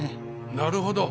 なるほど。